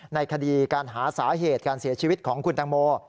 ในคดีการหาสาเหตุการเสียชีวิตของคุณตังโม